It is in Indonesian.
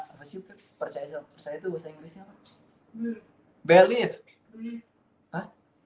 apa sih percaya itu bahasa inggrisnya apa